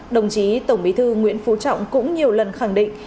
đồng chí tổng bí thư nguyễn phú trọng cũng nhiều lần khẳng định